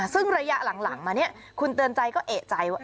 ซึ่งระยะหลังมาเนี่ยคุณเตือนใจก็เอกใจว่า